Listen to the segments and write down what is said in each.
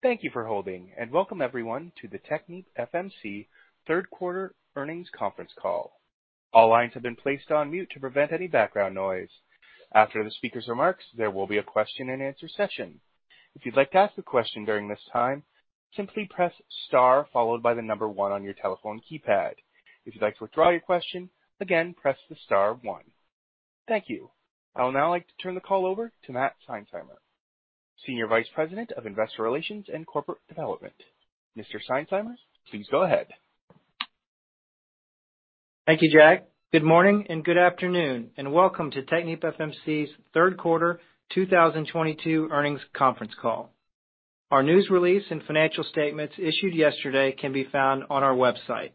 Thank you for holding, and welcome everyone to the TechnipFMC third quarter earnings conference call. All lines have been placed on mute to prevent any background noise. After the speaker's remarks, there will be a question and answer session. If you'd like to ask a question during this time, simply press star followed by the number one on your telephone keypad. If you'd like to withdraw your question, again, press the star one. Thank you. I would now like to turn the call over to Matt Seinsheimer, Senior Vice President of Investor Relations and Corporate Development. Mr. Seinsheimer, please go ahead. Thank you, Jack. Good morning and good afternoon, and welcome to TechnipFMC's third quarter 2022 earnings conference call. Our news release and financial statements issued yesterday can be found on our website.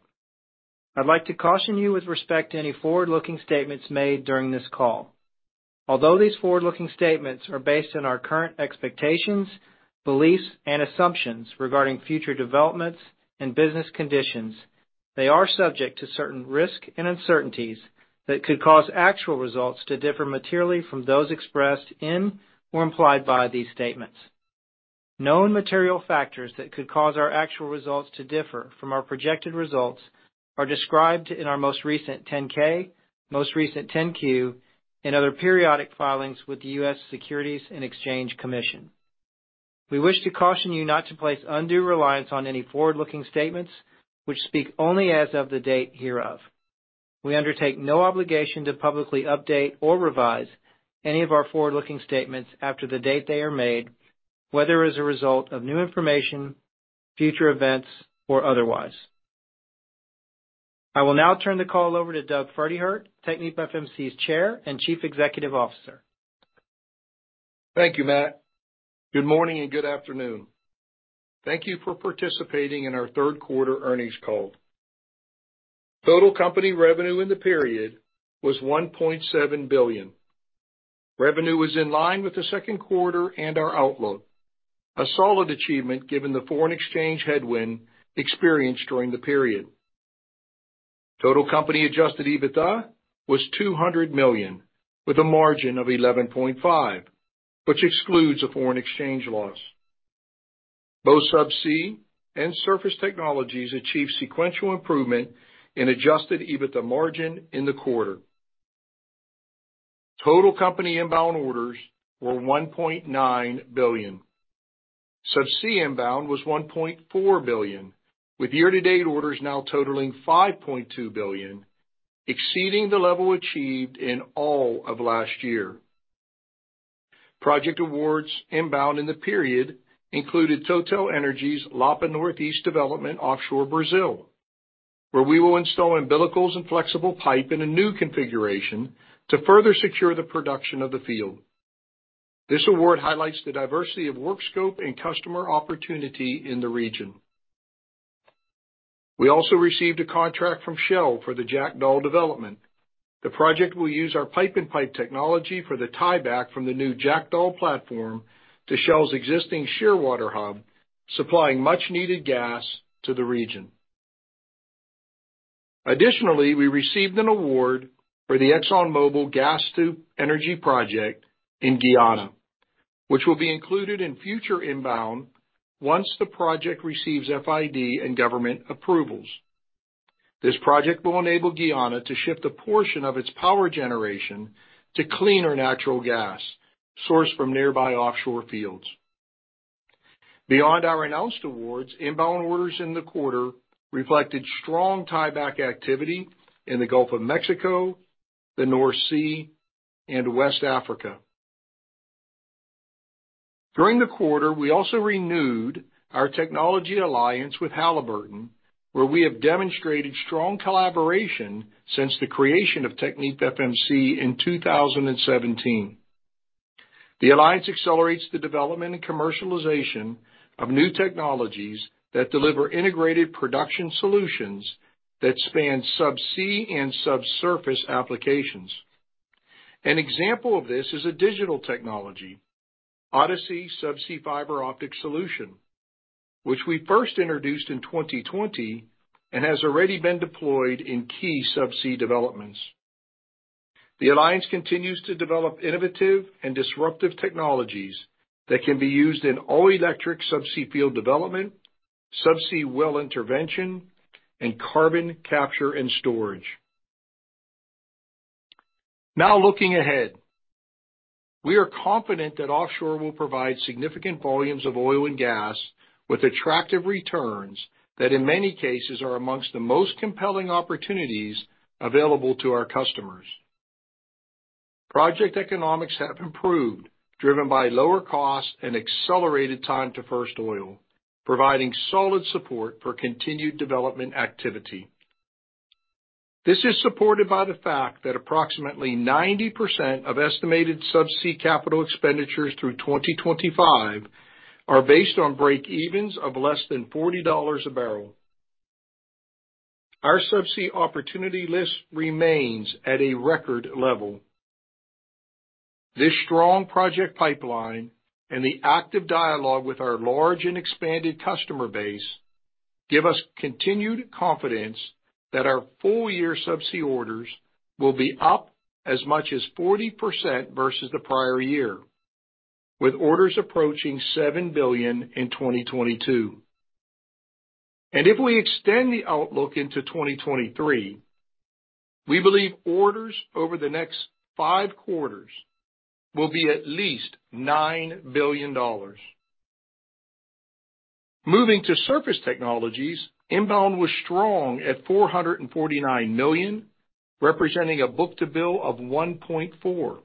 I'd like to caution you with respect to any forward-looking statements made during this call. Although these forward-looking statements are based on our current expectations, beliefs, and assumptions regarding future developments and business conditions, they are subject to certain risk and uncertainties that could cause actual results to differ materially from those expressed in or implied by these statements. Known material factors that could cause our actual results to differ from our projected results are described in our most recent 10-K, most recent 10-Q, and other periodic filings with the U.S. Securities and Exchange Commission. We wish to caution you not to place undue reliance on any forward-looking statements which speak only as of the date hereof. We undertake no obligation to publicly update or revise any of our forward-looking statements after the date they are made, whether as a result of new information, future events, or otherwise. I will now turn the call over to Douglas Pferdehirt, TechnipFMC's Chair and Chief Executive Officer. Thank you, Matt. Good morning and good afternoon. Thank you for participating in our third quarter earnings call. Total company revenue in the period was $1.7 billion. Revenue was in line with the second quarter and our outlook, a solid achievement given the foreign exchange headwind experienced during the period. Total company adjusted EBITDA was $200 million with a margin of 11.5%, which excludes a foreign exchange loss. Both subsea and surface technologies achieved sequential improvement in adjusted EBITDA margin in the quarter. Total company inbound orders were $1.9 billion. Subsea inbound was $1.4 billion, with year-to-date orders now totaling $5.2 billion, exceeding the level achieved in all of last year. Project awards inbound in the period included TotalEnergies' Lapa Northeast development offshore Brazil, where we will install umbilicals and flexible pipe in a new configuration to further secure the production of the field. This award highlights the diversity of work scope and customer opportunity in the region. We also received a contract from Shell for the Jackdaw development. The project will use our pipe-in-pipe technology for the tieback from the new Jackdaw platform to Shell's existing Shearwater hub, supplying much needed gas to the region. Additionally, we received an award for the ExxonMobil Gas-to-Energy project in Guyana, which will be included in future inbound once the project receives FID and government approvals. This project will enable Guyana to shift a portion of its power generation to cleaner natural gas sourced from nearby offshore fields. Beyond our announced awards, inbound orders in the quarter reflected strong tieback activity in the Gulf of Mexico, the North Sea, and West Africa. During the quarter, we also renewed our technology alliance with Halliburton, where we have demonstrated strong collaboration since the creation of TechnipFMC in 2017. The alliance accelerates the development and commercialization of new technologies that deliver integrated production solutions that span subsea and subsurface applications. An example of this is a digital technology, Odassea Subsea Fiber Optic Solution, which we first introduced in 2020 and has already been deployed in key subsea developments. The alliance continues to develop innovative and disruptive technologies that can be used in all-electric subsea field development, subsea well intervention, and carbon capture and storage. Now, looking ahead, we are confident that offshore will provide significant volumes of oil and gas with attractive returns that in many cases are among the most compelling opportunities available to our customers. Project economics have improved, driven by lower costs and accelerated time to first oil, providing solid support for continued development activity. This is supported by the fact that approximately 90% of estimated subsea capital expenditures through 2025 are based on breakevens of less than $40 a barrel. Our subsea opportunity list remains at a record level. This strong project pipeline and the active dialogue with our large and expanded customer base give us continued confidence that our full year subsea orders will be up as much as 40% versus the prior year, with orders approaching $7 billion in 2022. If we extend the outlook into 2023, we believe orders over the next five quarters will be at least $9 billion. Moving to surface technologies, inbound was strong at $449 million, representing a book-to-bill of 1.4.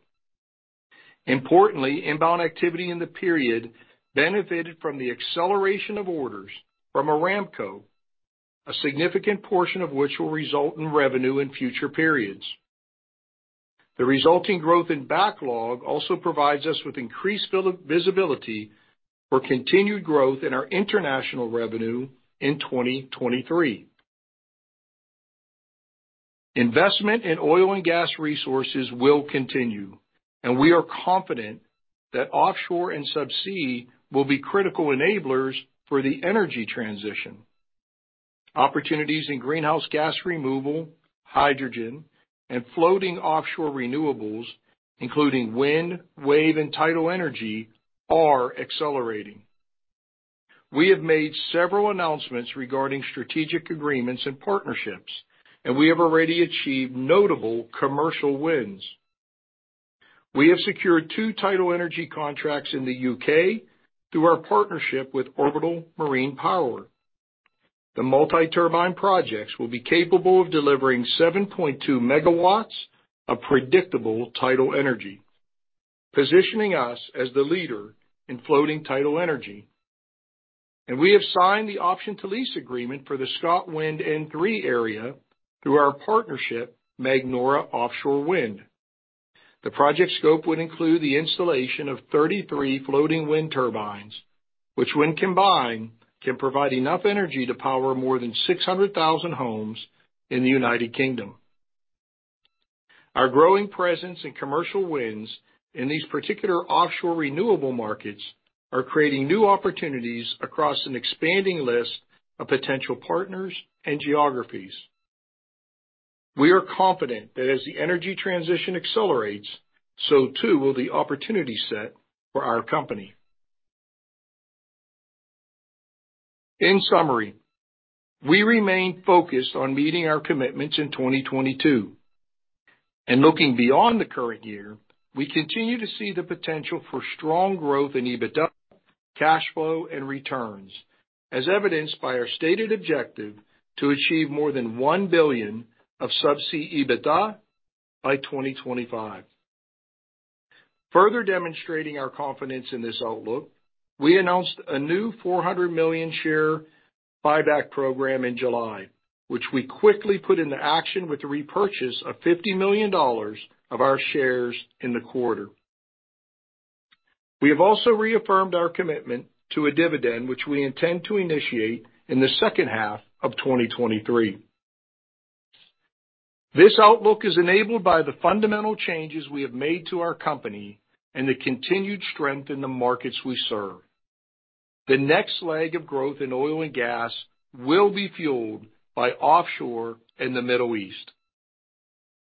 Importantly, inbound activity in the period benefited from the acceleration of orders from Aramco, a significant portion of which will result in revenue in future periods. The resulting growth in backlog also provides us with increased visibility for continued growth in our international revenue in 2023. Investment in oil and gas resources will continue, and we are confident that offshore and subsea will be critical enablers for the energy transition. Opportunities in greenhouse gas removal, hydrogen, and floating offshore renewables, including wind, wave, and tidal energy, are accelerating. We have made several announcements regarding strategic agreements and partnerships, and we have already achieved notable commercial wins. We have secured two tidal energy contracts in the U.K. through our partnership with Orbital Marine Power. The multi-turbine projects will be capable of delivering 7.2 megawatts of predictable tidal energy, positioning us as the leader in floating tidal energy. We have signed the option to lease agreement for the ScotWind N3 area through our partnership, Magnora Offshore Wind. The project scope would include the installation of 33 floating wind turbines, which when combined, can provide enough energy to power more than 600,000 homes in the United Kingdom. Our growing presence in commercial wind in these particular offshore renewable markets are creating new opportunities across an expanding list of potential partners and geographies. We are confident that as the energy transition accelerates, so too will the opportunity set for our company. In summary, we remain focused on meeting our commitments in 2022. Looking beyond the current year, we continue to see the potential for strong growth in EBITDA, cash flow, and returns, as evidenced by our stated objective to achieve more than $1 billion of subsea EBITDA by 2025. Further demonstrating our confidence in this outlook, we announced a new $400 million share buyback program in July, which we quickly put into action with the repurchase of $50 million of our shares in the quarter. We have also reaffirmed our commitment to a dividend, which we intend to initiate in the second half of 2023. This outlook is enabled by the fundamental changes we have made to our company and the continued strength in the markets we serve. The next leg of growth in oil and gas will be fueled by offshore in the Middle East.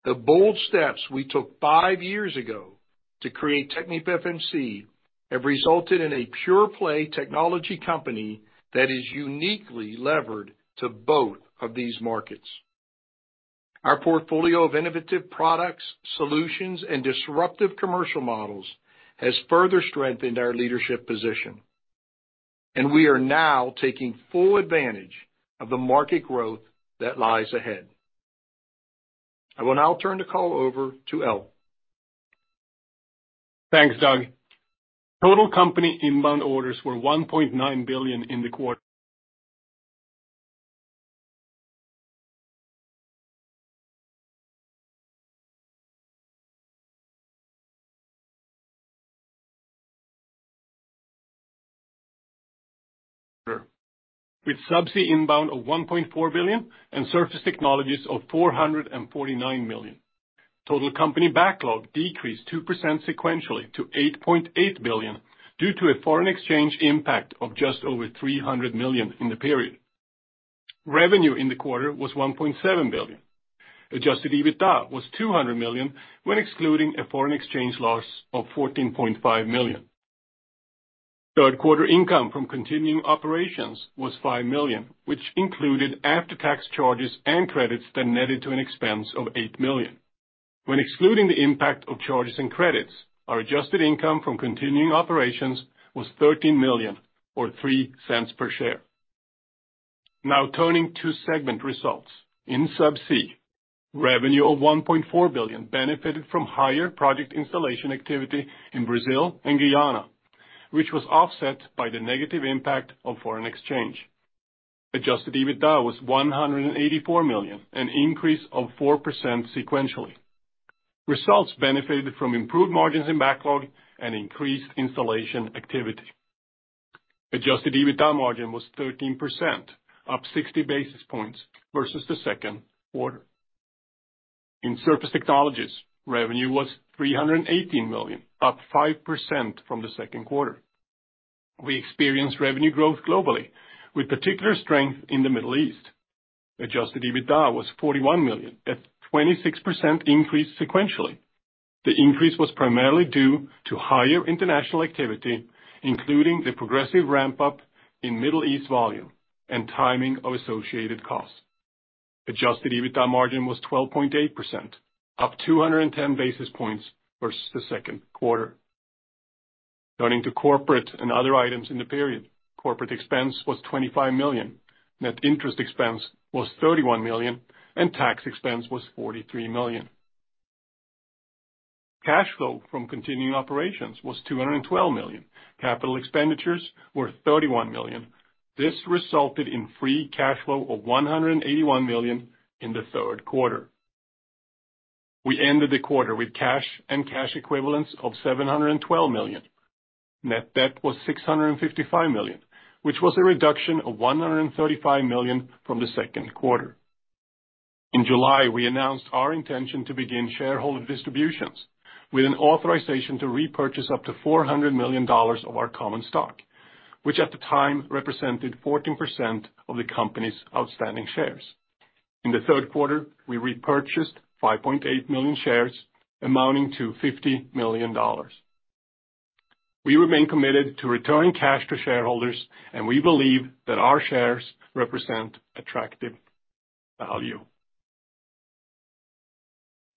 The bold steps we took five years ago to create TechnipFMC have resulted in a pure-play technology company that is uniquely levered to both of these markets. Our portfolio of innovative products, solutions, and disruptive commercial models has further strengthened our leadership position, and we are now taking full advantage of the market growth that lies ahead. I will now turn the call over to Al. Thanks, Doug. Total company inbound orders were $1.9 billion in the quarter. With subsea inbound of $1.4 billion and surface technologies of $449 million. Total company backlog decreased 2% sequentially to $8.8 billion due to a foreign exchange impact of just over $300 million in the period. Revenue in the quarter was $1.7 billion. Adjusted EBITDA was $200 million when excluding a foreign exchange loss of $14.5 million. Third quarter income from continuing operations was $5 million, which included after-tax charges and credits that netted to an expense of $8 million. When excluding the impact of charges and credits, our adjusted income from continuing operations was $13 million or $0.03 per share. Now turning to segment results. In subsea, revenue of $1.4 billion benefited from higher project installation activity in Brazil and Guyana, which was offset by the negative impact of foreign exchange. Adjusted EBITDA was $184 million, an increase of 4% sequentially. Results benefited from improved margins in backlog and increased installation activity. Adjusted EBITDA margin was 13%, up 60 basis points versus the second quarter. In surface technologies, revenue was $318 million, up 5% from the second quarter. We experienced revenue growth globally, with particular strength in the Middle East. Adjusted EBITDA was $41 million, a 26% increase sequentially. The increase was primarily due to higher international activity, including the progressive ramp up in Middle East volume and timing of associated costs. Adjusted EBITDA margin was 12.8%, up 210 basis points versus the second quarter. Turning to corporate and other items in the period. Corporate expense was $25 million, net interest expense was $31 million, and tax expense was $43 million. Cash flow from continuing operations was $212 million. Capital expenditures were $31 million. This resulted in free cash flow of $181 million in the third quarter. We ended the quarter with cash and cash equivalents of $712 million. Net debt was $655 million, which was a reduction of $135 million from the second quarter. In July, we announced our intention to begin shareholder distributions with an authorization to repurchase up to $400 million of our common stock, which at the time represented 14% of the company's outstanding shares. In the third quarter, we repurchased 5.8 million shares amounting to $50 million. We remain committed to returning cash to shareholders, and we believe that our shares represent attractive value.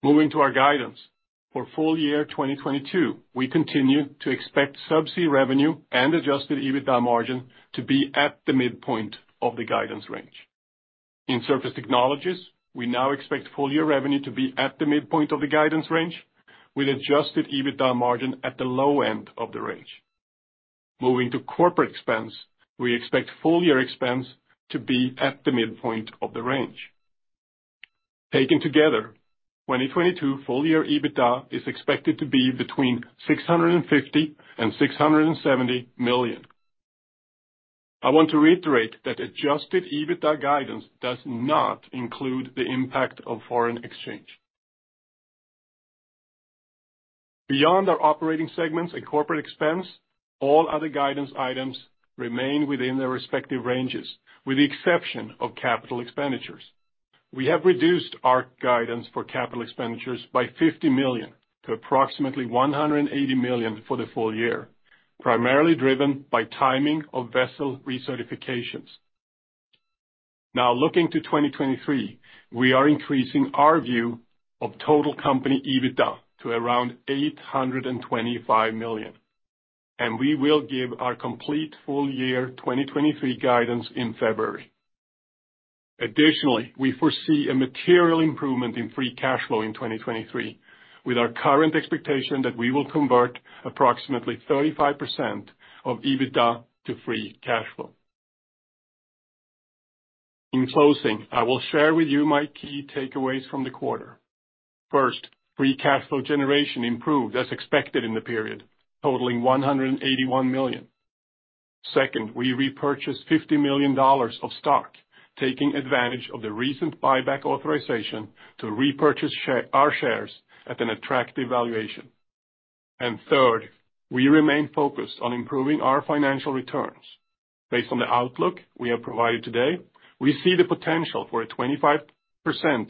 Moving to our guidance. For full year 2022, we continue to expect subsea revenue and adjusted EBITDA margin to be at the midpoint of the guidance range. In surface technologies, we now expect full year revenue to be at the midpoint of the guidance range, with adjusted EBITDA margin at the low end of the range. Moving to corporate expense, we expect full year expense to be at the midpoint of the range. Taken together, 2022 full year EBITDA is expected to be between $650 million and $670 million. I want to reiterate that adjusted EBITDA guidance does not include the impact of foreign exchange. Beyond our operating segments and corporate expense, all other guidance items remain within their respective ranges, with the exception of capital expenditures. We have reduced our guidance for capital expenditures by $50 million to approximately $180 million for the full year, primarily driven by timing of vessel recertifications. Now, looking to 2023, we are increasing our view of total company EBITDA to around $825 million, and we will give our complete full year 2023 guidance in February. Additionally, we foresee a material improvement in free cash flow in 2023, with our current expectation that we will convert approximately 35% of EBITDA to free cash flow. In closing, I will share with you my key takeaways from the quarter. First, free cash flow generation improved as expected in the period, totaling $181 million. Second, we repurchased $50 million of stock, taking advantage of the recent buyback authorization to repurchase our shares at an attractive valuation. Third, we remain focused on improving our financial returns. Based on the outlook we have provided today, we see the potential for a 25%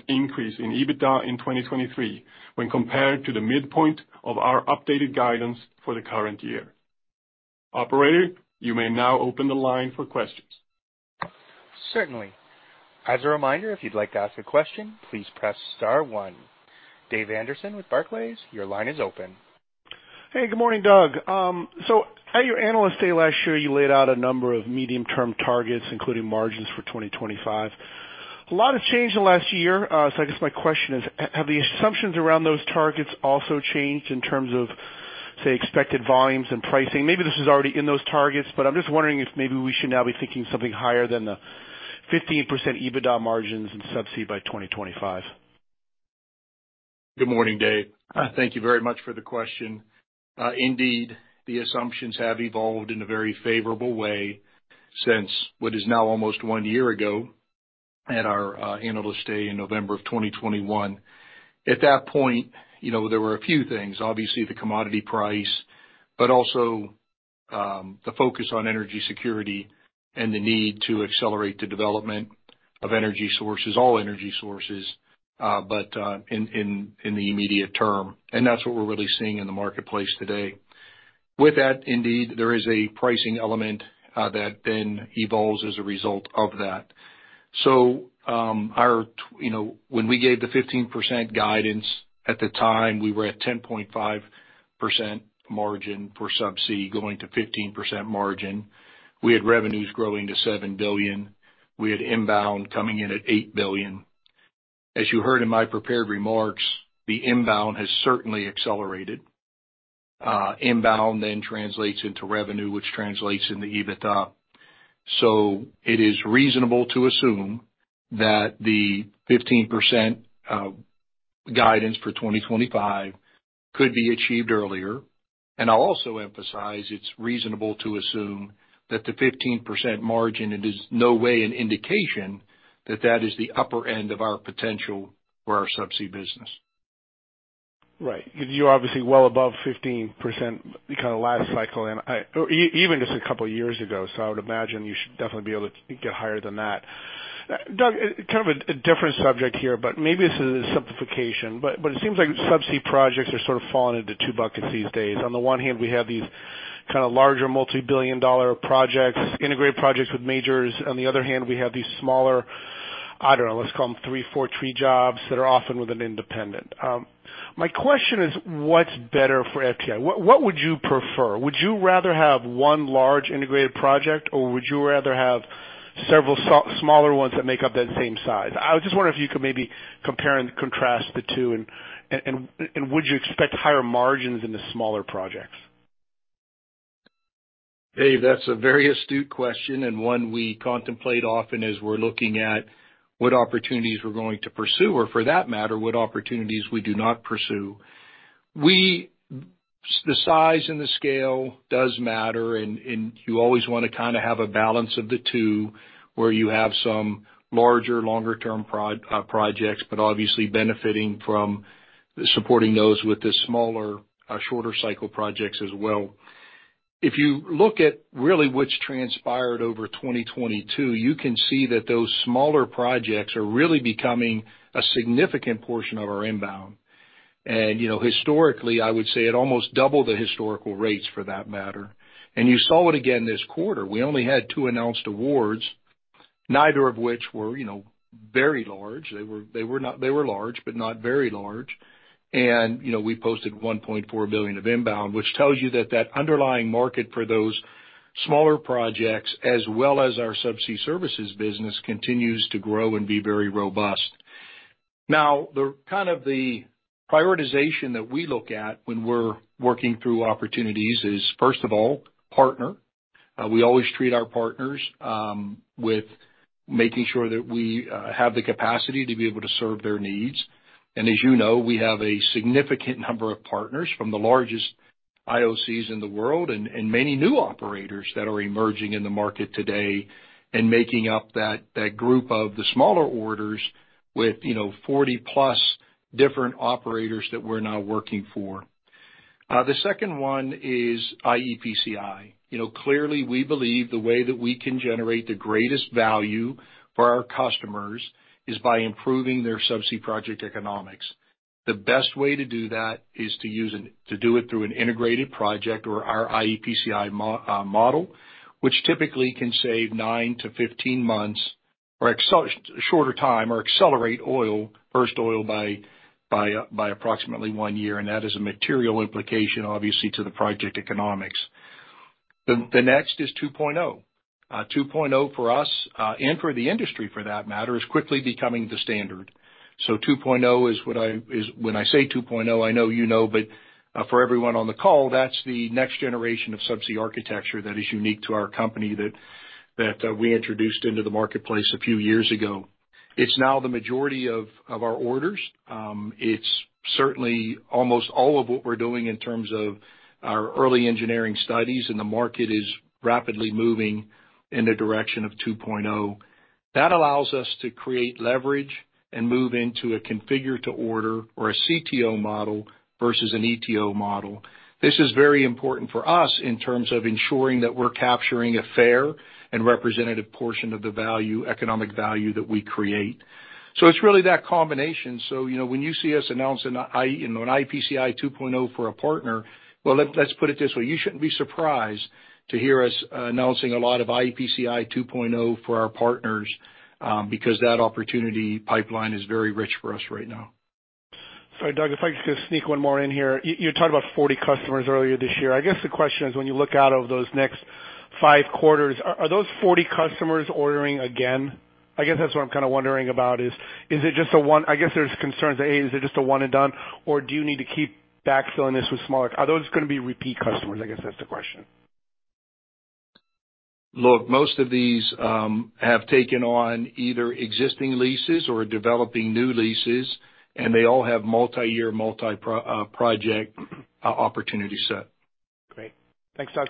increase in EBITDA in 2023 when compared to the midpoint of our updated guidance for the current year. Operator, you may now open the line for questions. Certainly. As a reminder, if you'd like to ask a question, please press star one. David Anderson with Barclays, your line is open. Hey, good morning, Doug. At your Analyst Day last year, you laid out a number of medium-term targets, including margins for 2025. A lot has changed in the last year, I guess my question is: Have the assumptions around those targets also changed in terms of, say, expected volumes and pricing? Maybe this is already in those targets, but I'm just wondering if maybe we should now be thinking something higher than the 15% EBITDA margins in Subsea by 2025. Good morning, Dave. Thank you very much for the question. Indeed, the assumptions have evolved in a very favorable way since what is now almost one year ago at our Analyst Day in November of 2021. At that point, you know, there were a few things, obviously the commodity price, but also the focus on energy security and the need to accelerate the development of energy sources, all energy sources, but in the immediate term, and that's what we're really seeing in the marketplace today. With that, indeed, there is a pricing element that then evolves as a result of that. Our, you know, when we gave the 15% guidance at the time, we were at 10.5% margin for Subsea going to 15% margin. We had revenues growing to $7 billion. We had inbound coming in at $8 billion. As you heard in my prepared remarks, the inbound has certainly accelerated. Inbound then translates into revenue, which translates into EBITDA. It is reasonable to assume that the 15% guidance for 2025 could be achieved earlier. I'll also emphasize it's reasonable to assume that the 15% margin, it is in no way an indication that that is the upper end of our potential for our subsea business. Right. You're obviously well above 15% kind of last cycle, and I—or even just a couple years ago. I would imagine you should definitely be able to get higher than that. Doug, kind of a different subject here, but maybe this is a simplification, but it seems like subsea projects are sort of falling into two buckets these days. On the one hand, we have these kind of larger, multibillion-dollar projects, integrated projects with majors. On the other hand, we have these smaller, I don't know, let's call them three, four-tree jobs that are often with an independent. My question is, what's better for TechnipFMC? What would you prefer? Would you rather have one large integrated project, or would you rather have several smaller ones that make up that same size? I was just wondering if you could maybe compare and contrast the two, and would you expect higher margins in the smaller projects? Dave, that's a very astute question and one we contemplate often as we're looking at what opportunities we're going to pursue, or for that matter, what opportunities we do not pursue. The size and the scale does matter, and you always wanna kinda have a balance of the two where you have some larger, longer term projects, but obviously benefiting from supporting those with the smaller, shorter cycle projects as well. If you look at really what's transpired over 2022, you can see that those smaller projects are really becoming a significant portion of our inbound. You know, historically, I would say it almost doubled the historical rates for that matter. You saw it again this quarter. We only had two announced awards, neither of which were, you know, very large. They were large, but not very large. You know, we posted $1.4 billion of inbound, which tells you that underlying market for those smaller projects, as well as our subsea services business, continues to grow and be very robust. Now, the kind of prioritization that we look at when we're working through opportunities is, first of all, partner. We always treat our partners with making sure that we have the capacity to be able to serve their needs. As you know, we have a significant number of partners from the largest IOCs in the world and many new operators that are emerging in the market today and making up that group of the smaller orders with, you know, 40-plus different operators that we're now working for. The second one is iEPCI. You know, clearly, we believe the way that we can generate the greatest value for our customers is by improving their subsea project economics. The best way to do that is to use to do it through an integrated project or our iEPCI model, which typically can save nine to 15 months or shorter time or accelerate first oil by approximately one year, and that is a material implication, obviously, to the project economics. The next is Subsea 2.0. Subsea 2.0 for us, and for the industry for that matter, is quickly becoming the standard. Subsea 2.0 is what I... When I say 2.0, I know you know, but for everyone on the call, that's the next generation of subsea architecture that is unique to our company that we introduced into the marketplace a few years ago. It's now the majority of our orders. It's certainly almost all of what we're doing in terms of our early engineering studies, and the market is rapidly moving in the direction of 2.0. That allows us to create leverage and move into a configure-to-order or a CTO model versus an ETO model. This is very important for us in terms of ensuring that we're capturing a fair and representative portion of the value, economic value that we create. It's really that combination. You know, when you see us announce an iEPCI 2.0 for a partner, well, let's put it this way. You shouldn't be surprised to hear us announcing a lot of iEPCI 2.0 for our partners, because that opportunity pipeline is very rich for us right now. Sorry, Doug, if I could just sneak one more in here. You talked about 40 customers earlier this year. I guess the question is, when you look out over those next five quarters, are those 40 customers ordering again? I guess that's what I'm kinda wondering about is it just a one and done. I guess there's concerns that A, is it just a one and done, or do you need to keep backfilling this. Are those gonna be repeat customers? I guess that's the question. Look, most of these have taken on either existing leases or developing new leases, and they all have multi-year, multi project opportunity set. Great. Thanks, Doug.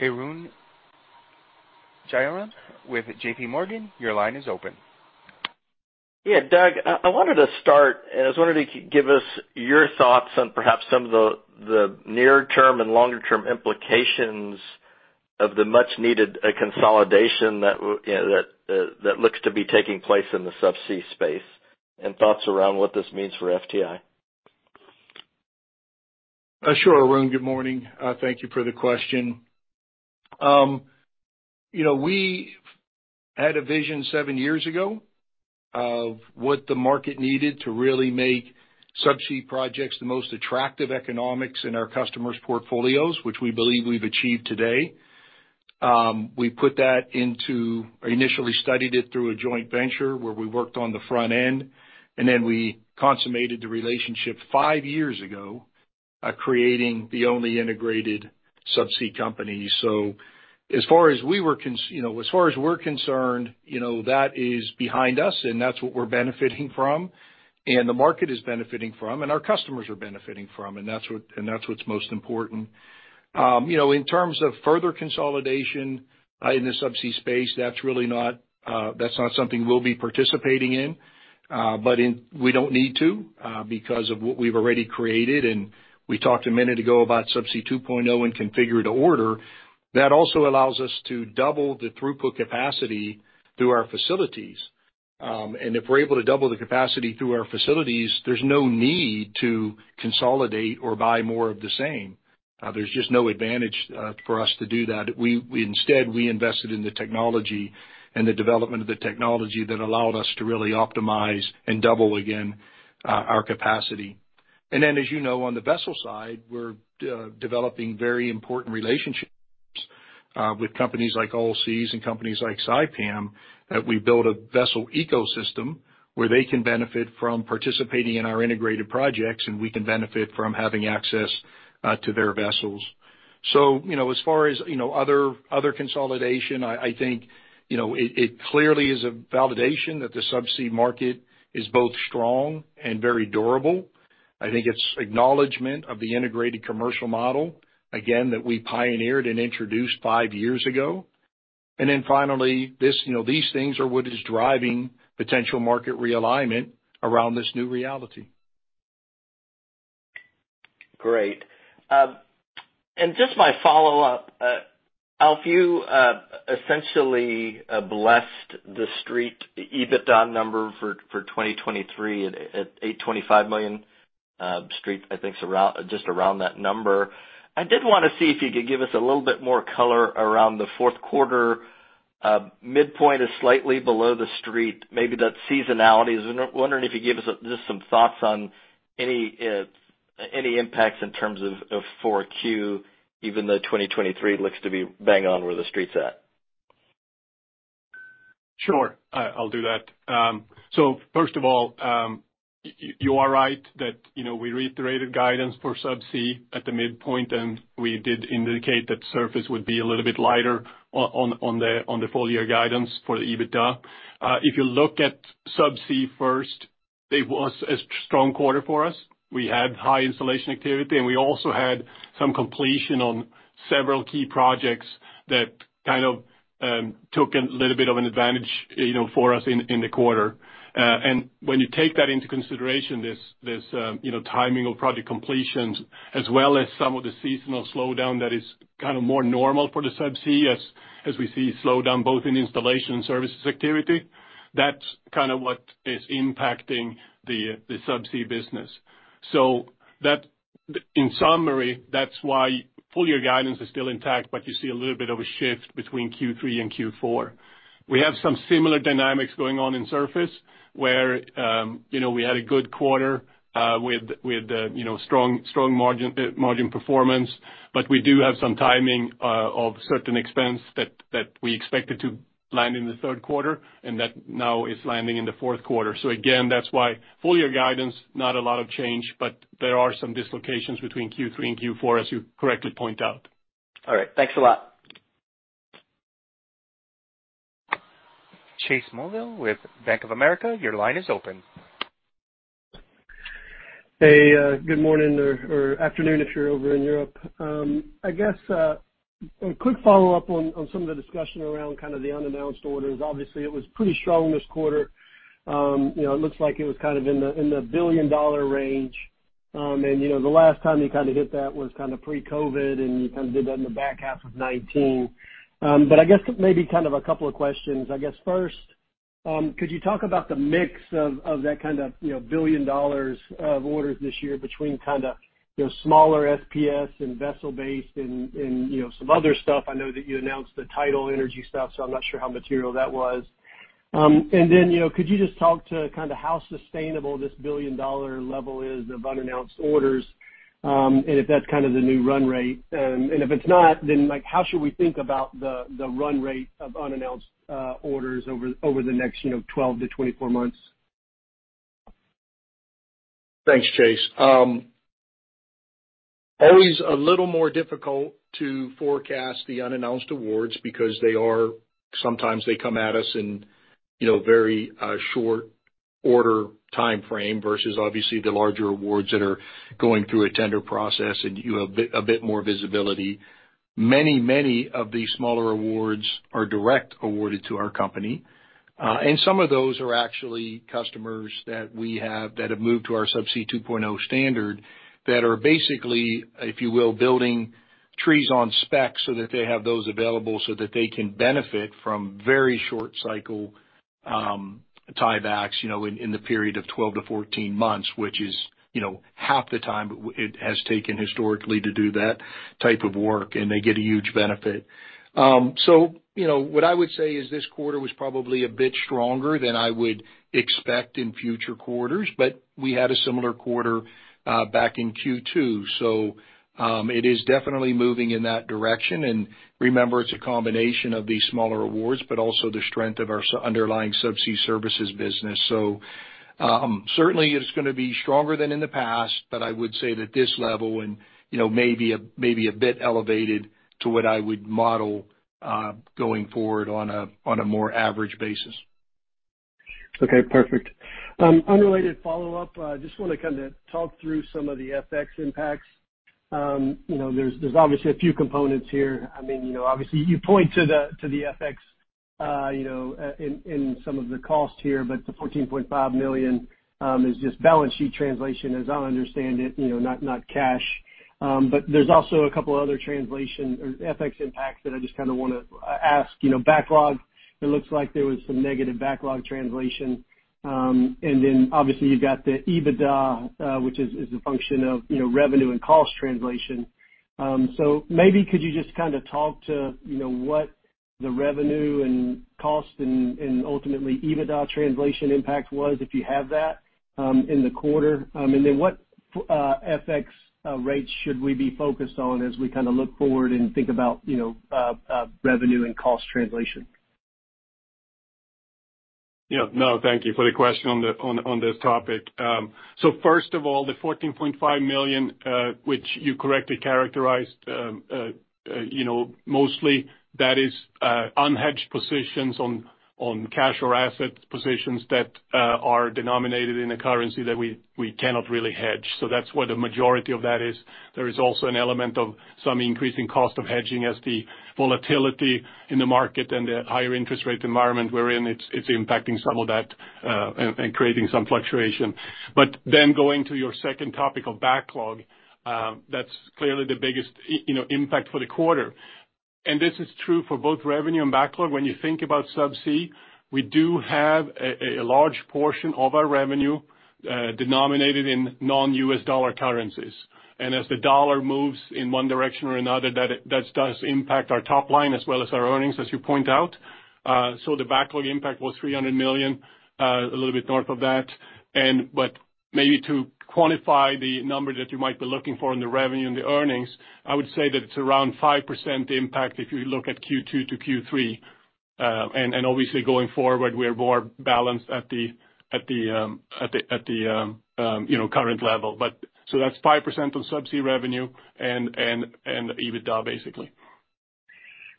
Arun Jayaram with J.P. Morgan, your line is open. Yeah, Doug, I wanted to start, and I was wondering if you could give us your thoughts on perhaps some of the near term and longer term implications of the much needed consolidation that looks to be taking place in the subsea space, and thoughts around what this means for TechnipFMC? Sure, Arun. Good morning. Thank you for the question. You know, we had a vision seven years ago of what the market needed to really make subsea projects the most attractive economics in our customers' portfolios, which we believe we've achieved today. We put that into, or initially studied it through a joint venture where we worked on the front end, and then we consummated the relationship five years ago, creating the only integrated subsea company. You know, as far as we're concerned, you know, that is behind us and that's what we're benefiting from, and the market is benefiting from, and our customers are benefiting from, and that's what, and that's what's most important. You know, in terms of further consolidation in the subsea space, that's really not something we'll be participating in, but we don't need to because of what we've already created. We talked a minute ago about Subsea 2.0 and configure-to-order. That also allows us to double the throughput capacity through our facilities. If we're able to double the capacity through our facilities, there's no need to consolidate or buy more of the same. There's just no advantage for us to do that. We instead invested in the technology and the development of the technology that allowed us to really optimize and double again our capacity. As you know, on the vessel side, we're developing very important relationships with companies like Allseas and companies like Saipem, that we build a vessel ecosystem where they can benefit from participating in our integrated projects, and we can benefit from having access to their vessels. You know, as far as you know other consolidation, I think you know it clearly is a validation that the subsea market is both strong and very durable. I think it's acknowledgment of the integrated commercial model, again, that we pioneered and introduced five years ago. This, you know, these things are what is driving potential market realignment around this new reality. Great. Just my follow-up, Alf, you essentially blessed the street EBITDA number for 2023 at $825 million. Street, I think is around just around that number. I did wanna see if you could give us a little bit more color around the fourth quarter. Midpoint is slightly below the street, maybe that's seasonality. I'm wondering if you could give us just some thoughts on any impacts in terms of 4Q, even though 2023 looks to be bang on where the street's at. Sure. I'll do that. First of all, you are right that, you know, we reiterated guidance for subsea at the midpoint, and we did indicate that surface would be a little bit lighter on the full year guidance for the EBITDA. If you look at subsea first, it was a strong quarter for us. We had high installation activity, and we also had some completion on several key projects that kind of took a little bit of an advantage, you know, for us in the quarter. When you take that into consideration, you know, timing of project completions as well as some of the seasonal slowdown that is kind of more normal for the subsea as we see slowdown both in installation and services activity, that's kind of what is impacting the subsea business. That, in summary, that's why full year guidance is still intact, but you see a little bit of a shift between Q3 and Q4. We have some similar dynamics going on in surface where, you know, we had a good quarter with, you know, strong margin performance, but we do have some timing of certain expense that we expected to land in the third quarter and that now is landing in the fourth quarter. Again, that's why full year guidance, not a lot of change, but there are some dislocations between Q3 and Q4, as you correctly point out. All right. Thanks a lot. Chase Mulvehill with Bank of America, your line is open. Hey, good morning or afternoon if you're over in Europe. I guess a quick follow-up on some of the discussion around kind of the unannounced orders. Obviously, it was pretty strong this quarter. You know, it looks like it was kind of in the $1 billion range. You know, the last time you kind of hit that was kind of pre-COVID, and you kind of did that in the back half of 2019. I guess maybe kind of a couple of questions. I guess first, could you talk about the mix of that kind of, you know, $1 billion of orders this year between kind of, you know, smaller SPS and vessel-based and, you know, some other stuff? I know that you announced the Tidal Energy stuff, so I'm not sure how material that was. You know, could you just talk to kind of how sustainable this billion-dollar level is of unannounced orders, and if that's kind of the new run rate? If it's not, then, like, how should we think about the run rate of unannounced orders over the next, you know, 12-24 months? Thanks, Chase. Always a little more difficult to forecast the unannounced awards because sometimes they come at us in, you know, very short order timeframe versus obviously the larger awards that are going through a tender process and you have a bit more visibility. Many of these smaller awards are directly awarded to our company, and some of those are actually customers that we have that have moved to our Subsea 2.0 standard that are basically, if you will, building trees on spec so that they have those available so that they can benefit from very short cycle tiebacks, you know, in the period of 12-14 months, which is, you know, half the time it has taken historically to do that type of work, and they get a huge benefit. You know, what I would say is this quarter was probably a bit stronger than I would expect in future quarters, but we had a similar quarter back in Q2. It is definitely moving in that direction, and remember, it's a combination of these smaller awards, but also the strength of our underlying subsea services business. Certainly it's gonna be stronger than in the past, but I would say that this level, you know, may be a bit elevated to what I would model going forward on a more average basis. Okay, perfect. Unrelated follow-up. I just wanna kinda talk through some of the FX impacts. You know, there's obviously a few components here. I mean, you know, obviously you point to the FX in some of the costs here, but the $14.5 million is just balance sheet translation as I understand it, you know, not cash. There's also a couple other translation or FX impacts that I just kinda wanna ask. You know, backlog, it looks like there was some negative backlog translation. Then obviously, you've got the EBITDA, which is a function of, you know, revenue and cost translation. Maybe could you just kinda talk to, you know, what the revenue and cost and ultimately EBITDA translation impact was if you have that, in the quarter? Then what FX rates should we be focused on as we kinda look forward and think about, you know, revenue and cost translation? Yeah, no, thank you for the question on this topic. So first of all, the $14.5 million, which you correctly characterized, you know, mostly that is unhedged positions on cash or asset positions that are denominated in a currency that we cannot really hedge. So that's where the majority of that is. There is also an element of some increasing cost of hedging as the volatility in the market and the higher interest rate environment we're in, it's impacting some of that, and creating some fluctuation. But then going to your second topic of backlog, that's clearly the biggest, you know, impact for the quarter. This is true for both revenue and backlog. When you think about Subsea, we do have a large portion of our revenue denominated in non-U.S. dollar currencies. As the dollar moves in one direction or another, that does impact our top line as well as our earnings, as you point out. The backlog impact was $300 million, a little bit north of that. Maybe to quantify the number that you might be looking for in the revenue and the earnings, I would say that it's around 5% impact if you look at Q2 to Q3. Obviously going forward, we're more balanced at the current level, you know. That's 5% on Subsea revenue and EBITDA, basically.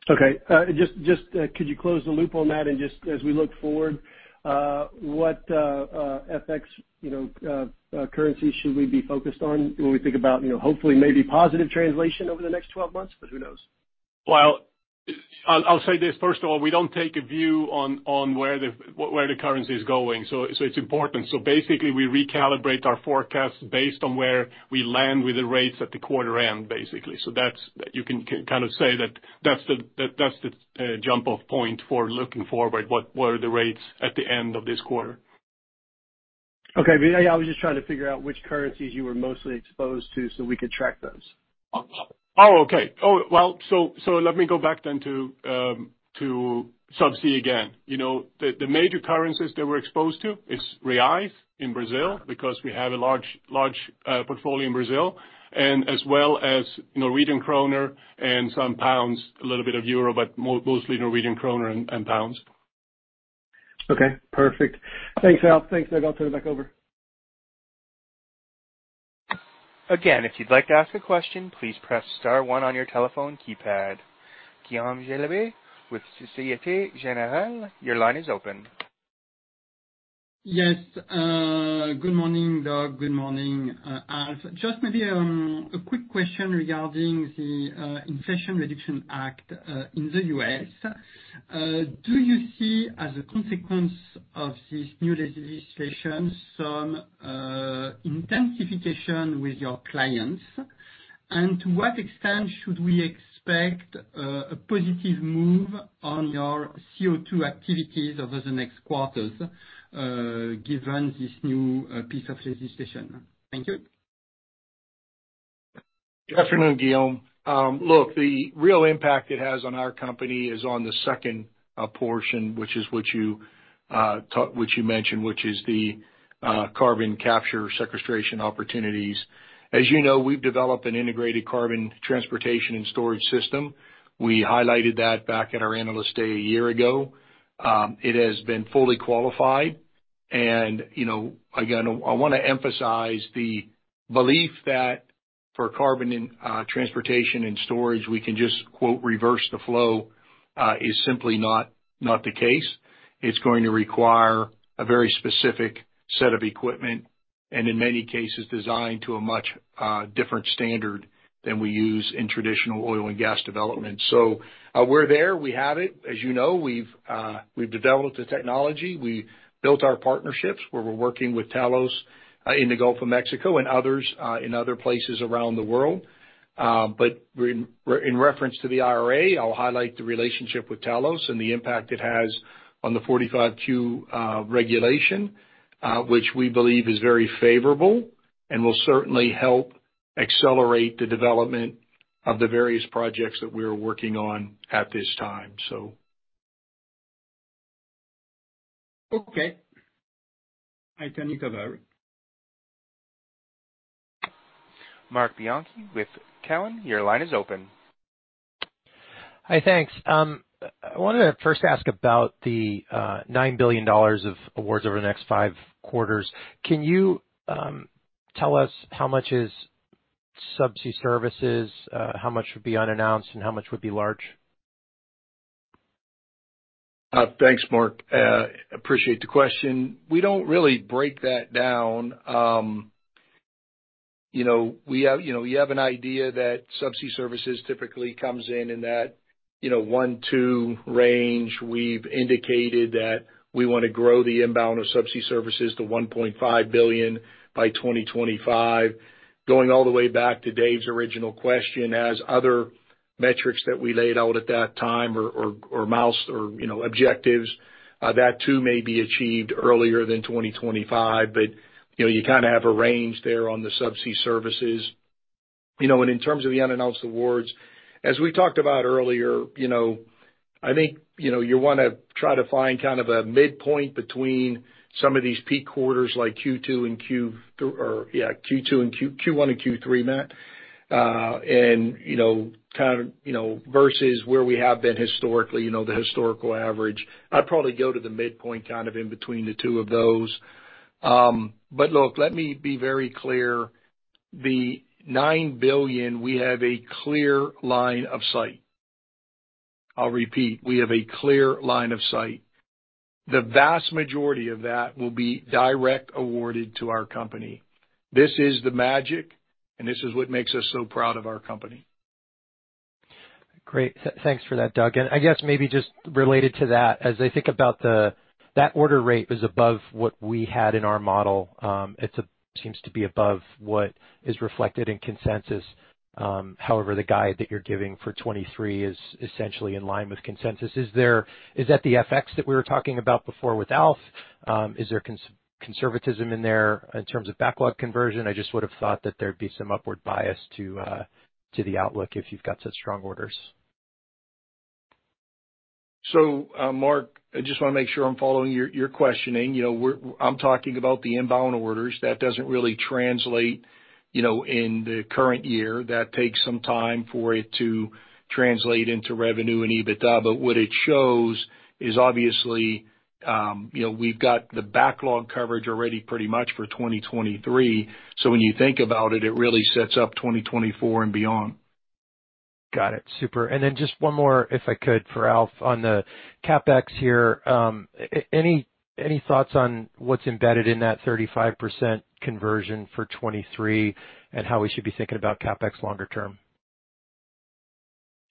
Okay. Just could you close the loop on that? Just as we look forward, what FX, you know, currency should we be focused on when we think about, you know, hopefully maybe positive translation over the next 12 months, but who knows? Well, I'll say this first of all, we don't take a view on where the currency is going, so it's important. Basically we recalibrate our forecasts based on where we land with the rates at the quarter end, basically. That's. You can kind of say that that's the jump-off point for looking forward, what are the rates at the end of this quarter. Okay. Yeah, I was just trying to figure out which currencies you were mostly exposed to so we could track those. Oh, okay. Oh, well, let me go back then to Subsea again. You know, the major currencies that we're exposed to is reais in Brazil because we have a large portfolio in Brazil, and as well as Norwegian kroner and some pounds, a little bit of euro, but mostly Norwegian kroner and pounds. Okay, perfect. Thanks, Alf. Thanks, Doug. I'll turn it back over. Again, if you'd like to ask a question, please press star one on your telephone keypad. Guillaume Delaby with Société Générale, your line is open. Yes. Good morning, Doug. Good morning, Alf. Just maybe a quick question regarding the Inflation Reduction Act in the U.S. Do you see, as a consequence of this new legislation, some intensification with your clients? To what extent should we expect a positive move on your CO2 activities over the next quarters, given this new piece of legislation? Thank you. Good afternoon, Guillaume. Look, the real impact it has on our company is on the second portion, which is what you mentioned, which is the carbon capture sequestration opportunities. As you know, we've developed an integrated carbon transportation and storage system. We highlighted that back at our Analyst Day a year ago. It has been fully qualified. You know, again, I wanna emphasize the belief that for carbon and transportation and storage, we can just quote, "reverse the flow," is simply not the case. It's going to require a very specific set of equipment, and in many cases, designed to a much different standard than we use in traditional oil and gas development. We're there. We have it. As you know, we've developed the technology. We built our partnerships where we're working with Talos in the Gulf of Mexico and others in other places around the world. In reference to the IRA, I'll highlight the relationship with Talos and the impact it has on the 45Q regulation, which we believe is very favorable and will certainly help accelerate the development of the various projects that we are working on at this time. Okay. Thank you, Doug. Marc Bianchi with Cowen, your line is open. Hi, thanks. I wanted to first ask about the $9 billion of awards over the next five quarters. Can you tell us how much is subsea services, how much would be unannounced, and how much would be large? Thanks, Marc. Appreciate the question. We don't really break that down. You know, we have, you know, you have an idea that subsea services typically comes in in that 1-2 range. We've indicated that we wanna grow the inbound of subsea services to $1.5 billion by 2025. Going all the way back to Dave's original question, as other metrics that we laid out at that time or milestones or objectives, that too may be achieved earlier than 2025. You know, you kinda have a range there on the subsea services. You know, and in terms of the unannounced awards, as we talked about earlier, you know, I think, you know, you wanna try to find kind of a midpoint between some of these peak quarters like Q2 and Q, or yeah, Q2 and Q. Q1 and Q3, Matt. You know, kind of, you know, versus where we have been historically, you know, the historical average. I'd probably go to the midpoint kind of in between the two of those. Look, let me be very clear. The $9 billion, we have a clear line of sight. I'll repeat. We have a clear line of sight. The vast majority of that will be directly awarded to our company. This is the magic, and this is what makes us so proud of our company. Great. Thanks for that, Doug. I guess maybe just related to that, as I think about that order rate is above what we had in our model. It seems to be above what is reflected in consensus. However, the guide that you're giving for 2023 is essentially in line with consensus. Is that the FX that we were talking about before with Alf? Is there conservatism in there in terms of backlog conversion? I just would have thought that there'd be some upward bias to the outlook if you've got such strong orders. Marc, I just wanna make sure I'm following your questioning. I'm talking about the inbound orders. That doesn't really translate in the current year. That takes some time for it to translate into revenue and EBITDA. What it shows is obviously we've got the backlog coverage already pretty much for 2023. When you think about it really sets up 2024 and beyond. Got it. Super. Just one more, if I could, for Alf on the CapEx here. Any thoughts on what's embedded in that 35% conversion for 2023 and how we should be thinking about CapEx longer term?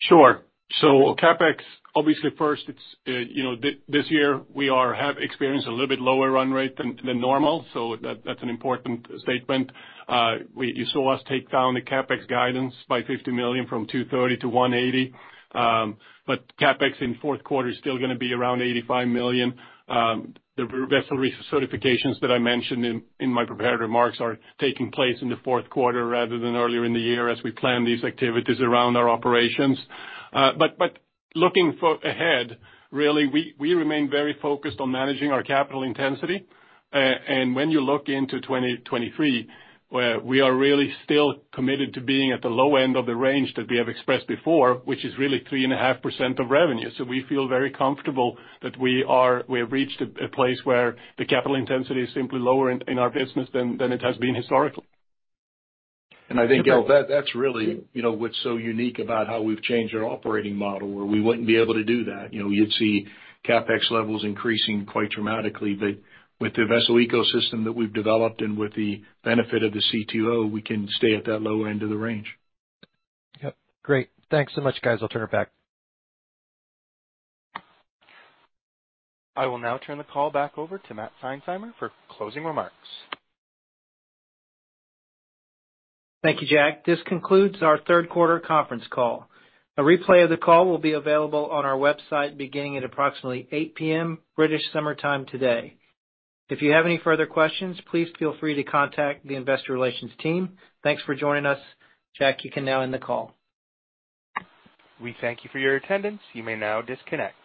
Sure. CapEx, obviously first it's this year we have experienced a little bit lower run rate than normal. That's an important statement. You saw us take down the CapEx guidance by $50 million from $230 million to $180 million. But CapEx in fourth quarter is still gonna be around $85 million. The vessel recertifications that I mentioned in my prepared remarks are taking place in the fourth quarter rather than earlier in the year as we plan these activities around our operations. But looking forward, really, we remain very focused on managing our capital intensity. When you look into 2023, we are really still committed to being at the low end of the range that we have expressed before, which is really 3.5% of revenue. We feel very comfortable that we have reached a place where the capital intensity is simply lower in our business than it has been historically. I think, Alf, that that's really, you know, what's so unique about how we've changed our operating model, where we wouldn't be able to do that. You know, you'd see CapEx levels increasing quite dramatically. With the vessel ecosystem that we've developed and with the benefit of the CTO, we can stay at that low end of the range. Yep. Great. Thanks so much, guys. I'll turn it back. I will now turn the call back over to Matt Seinsheimer for closing remarks. Thank you, Jack. This concludes our third quarter conference call. A replay of the call will be available on our website beginning at approximately 8:00 P.M. British Summer Time today. If you have any further questions, please feel free to contact the investor relations team. Thanks for joining us. Jack, you can now end the call. We thank you for your attendance. You may now disconnect.